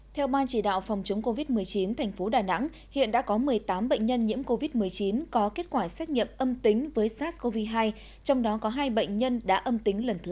theo ban chỉ đạo phòng chống covid một mươi chín tp đà nẵng hiện đã có một mươi tám bệnh nhân nhiễm covid một mươi chín có kết quả xét nghiệm âm tính với sars cov hai trong đó có hai bệnh nhân đã âm tính lần thứ ba